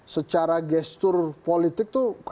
secara gestur politik tuh